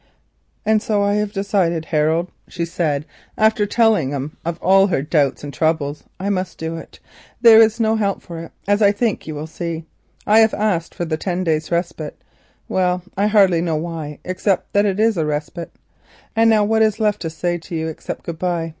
"And so I have decided, Harold," she said after telling him of all her doubts and troubles. "I must do it, there is no help for it, as I think you will see. I have asked for ten days' respite. I really hardly know why, except that it is a respite. And now what is there left to say to you except good bye?